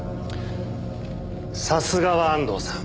さすがは安藤さん。